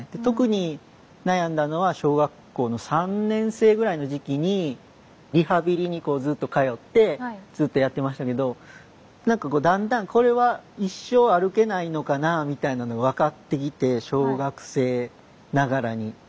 特に悩んだのは小学校の３年生ぐらいの時期にリハビリにこうずっと通ってずっとやってましたけど何かだんだんこれは一生歩けないのかなみたいなの分かってきて小学生ながらに。